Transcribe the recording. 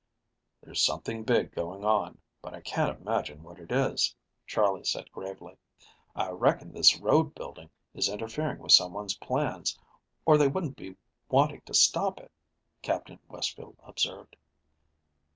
"There's something big going on, but I can't imagine what it is," Charley said gravely. "I reckon this road building is interfering with someone's plans, or they wouldn't be wanting to stop it," Captain Westfield observed.